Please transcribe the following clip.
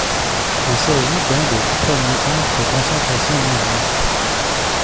Il s'agit d'un des tout premiers camps de concentration nazis.